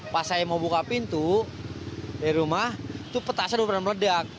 pas saya mau buka pintu dari rumah itu petasan udah pernah meledak